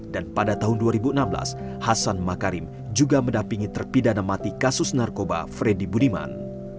dan pada tahun dua ribu enam belas hasan makarib juga mendampingi terpidana mati kasus narkoba freddy budiman